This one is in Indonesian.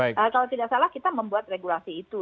kalau tidak salah kita membuat regulasi itu